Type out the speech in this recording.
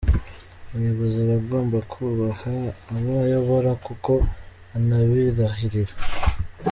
Umuyobozi aba agomba kwubaha abo ayobora, kuko anabirahirira.